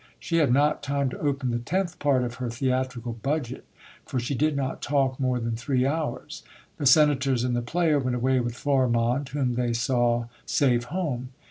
She had not time to open the tenth part of her theatrical budget, for she did not talk more than three hours. The senators and the player went away with Florimonde, whom they saw safe home.